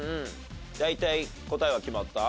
大体答えは決まった？